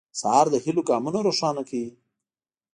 سهار د هيلو ګامونه روښانه کوي.